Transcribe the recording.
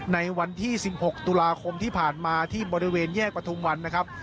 ในวันที่๑๖ตุลาคมที่ผ่านมาที่บริเวณแยกประทุมวันนะครับ